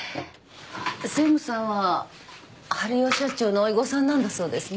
専務さんは治代社長のおい御さんなんだそうですね。